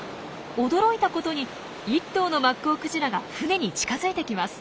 驚いたことに１頭のマッコウクジラが船に近づいてきます。